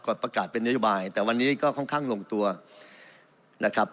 ประกาศเป็นนโยบายแต่วันนี้ก็ค่อนข้างลงตัวนะครับ